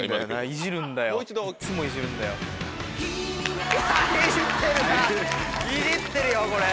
いじってるよこれ。